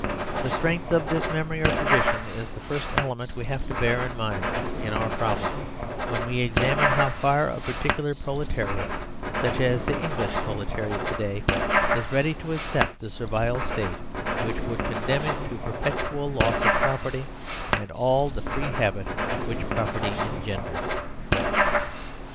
The strength of this memoryor tradition is thefirst elementwe have to bear in mindinour problem, when we examine how far a particular proletariat, such as the English proletariat to day, is ready to accept the Servile State, which would condemn it to a perpetual loss of property and of all the free habit which pro perty engenders.